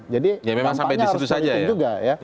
jadi dampaknya harus diberikan juga